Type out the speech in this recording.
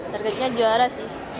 targetnya juara sih